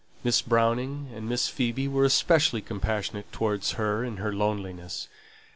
Miss Browning and Miss Phoebe were especially compassionate towards her in her loneliness.